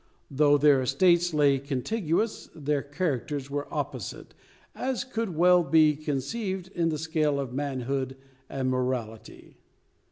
Though their estates lay contiguous, their characters were as opposite, as could well be conceived in the scale of manhood and morality.